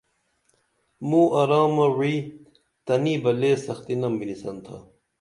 موں آرامہ وعی تنی بہ لے سختی نم بِنِسن تھا